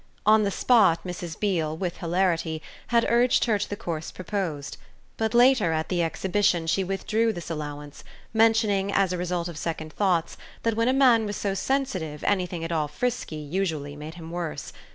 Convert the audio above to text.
On the spot Mrs. Beale, with hilarity, had urged her to the course proposed; but later, at the Exhibition, she withdrew this allowance, mentioning as a result of second thoughts that when a man was so sensitive anything at all frisky usually made him worse.